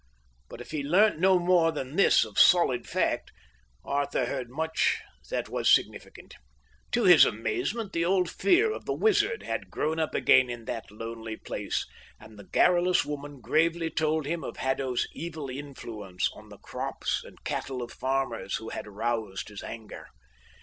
But if he learnt no more than this of solid fact, Arthur heard much that was significant. To his amazement the old fear of the wizard had grown up again in that lonely place, and the garrulous woman gravely told him of Haddo's evil influence on the crops and cattle of farmers who had aroused his anger.